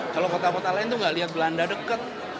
kalau kota kota lain itu tidak melihat belanda dekat